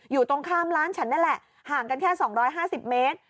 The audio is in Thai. อยู่ตรงข้ามร้านฉันนั่นแหละห่างกันแค่๒๕๐เมตร